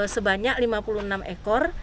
sebanyak lima puluh enam ekor